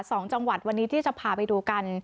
๒จังหวัดวันนี้ประวัติวันนี้ที่จะพาไปดูกัน